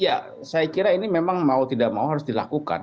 ya saya kira ini memang mau tidak mau harus dilakukan